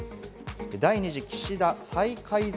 第２次岸田再改造